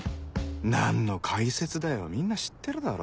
何の解説だよみんな知ってるだろ